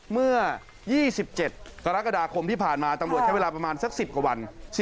เมื่อ๒๗กรกฎาคมที่ผ่านมาตำรวจใช้เวลาประมาณสัก๑๐กว่าวัน